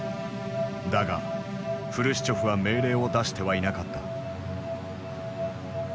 だがフルシチョフは命令を出してはいなかった。